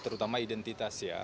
terutama identitas ya